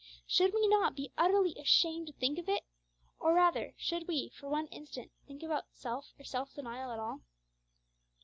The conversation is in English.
Should we not be utterly ashamed to think of it? or rather, should we, for one instant, think about self or self denial at all?